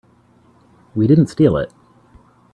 We didn't steal it.